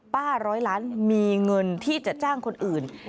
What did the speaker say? ร้อยล้านมีเงินที่จะจ้างคนอื่น